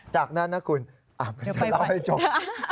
จากนั้นนะคุณอ้าวคุณจะเล่าให้จบ